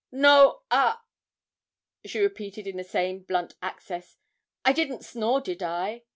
'No a,' she repeated in the same blunt accents; 'I didn't snore; did I?